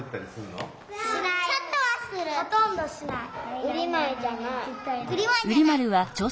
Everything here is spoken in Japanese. ほとんどしない。